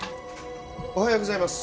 おはようございます。